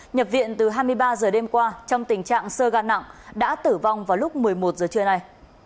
nhập viện từ hai mươi ba h đêm qua trong tình trạng sơ gan nặng đã tử vong vào lúc một mươi một giờ trưa nay